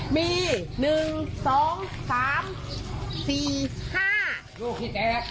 มี๑๒๓๔๕